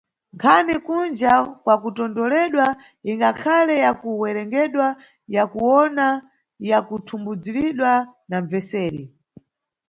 Nkhani kunja kwakutondolewedwa ingakhale ya ku werengedwa ya kuwona ya kuthumbudzulidwa na mbveseri.